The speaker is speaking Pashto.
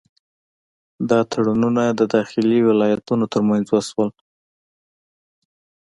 دا تړونونه د داخلي ولایتونو ترمنځ وشول.